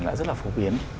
là rất là phổ biến